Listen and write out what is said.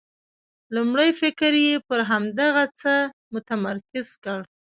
لومړی فکر یې پر همدغه څه متمرکز کړ.